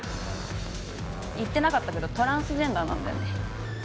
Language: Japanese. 言ってなかったけどトランスジェンダーなんだよね。